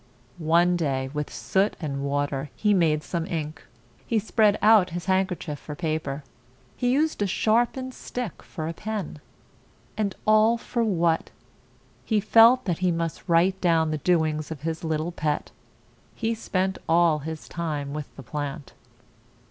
One day, with soot and water he made some ink; he spread out his hand ker chief for paper; he used a sharp ened stick for a pen and all for what? He felt that he must write down the doings of his little pet. He spent all his time with the plant.